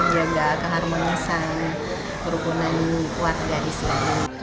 ya gak keharmonisan kerugunan warga islam